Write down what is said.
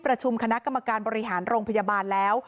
ประชุมคณะกรรมการบริหารโรงพยาบาลแล้ว